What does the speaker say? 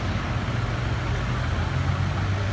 พร้อมต่ำยาว